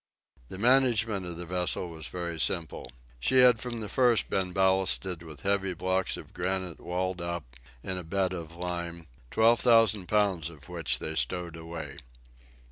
The management of the vessel was very simple. She had from the first been ballasted with heavy blocks of granite walled up, in a bed of lime, twelve thousand pounds of which they stowed away.